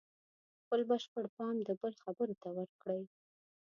خپل بشپړ پام د بل خبرو ته ورکړئ.